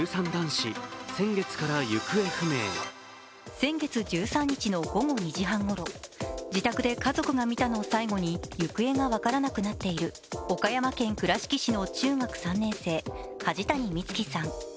先月１３日の午後２時半ごろ、自宅で家族が見たのを最後に行方が分からなくなっている岡山県倉敷市の中学３年生、梶谷恭暉さん。